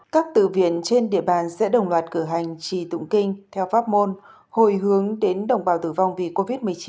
các tự viện trên địa bàn sẽ đồng loạt cử hành trì tụng kinh theo pháp môn hồi hướng đến đồng bào tử vong vì covid một mươi chín